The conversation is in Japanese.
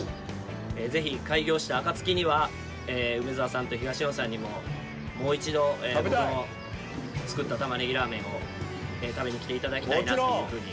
ぜひ開業した暁には梅沢さんと東野さんにももう一度僕の作ったたまねぎラーメンを食べに来て頂きたいなというふうに思っております。